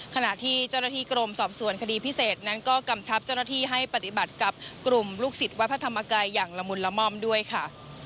ขณะที่เจ้าหน้าที่กรมสอบสวนคดีพิเศษนั้นก็กำชับเจ้าหน้าที่ให้ปฏิบัติกับกลุ่มลูกศิษย์วัดพระธรรมกายอย่างละมุนละม่อมด้วยค่ะ